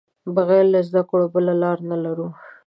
بغیر له زده کړو بله لار نه لرو.